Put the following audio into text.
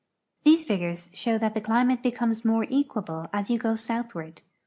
These figures show that the climate becomes more ecpiable as you go southward.